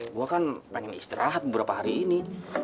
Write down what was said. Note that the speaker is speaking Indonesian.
gue kan pengen istirahat beberapa hari ini